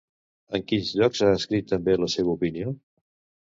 En quins llocs ha escrit també la seva opinió?